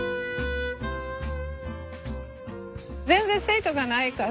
全然生徒がないから。